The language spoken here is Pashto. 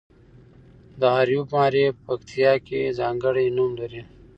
د اریوب معارف پکتیا کې ځانګړی نوم لري.